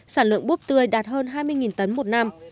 sản lượng búp tươi đạt hơn hai mươi tấn một năm